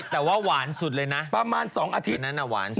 แต่ว่าหวานสุดเลยนะประมาณสองอาทิตย์นั่นน่ะหวานสุด